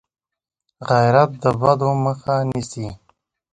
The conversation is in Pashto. غیرت د بدو مخه نیسي